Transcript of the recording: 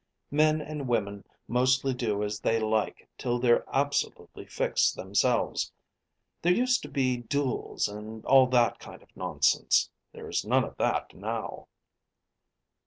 Men and women mostly do as they like till they've absolutely fixed themselves. There used to be duels and all that kind of nonsense. There is none of that now."